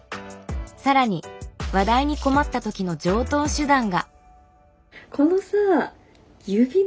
更に話題に困った時の常とう手段が。